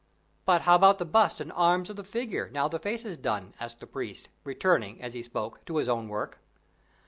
"But how about the bust and arms of the figure, now the face is done?" asked the priest, returning, as he spoke, to his own work.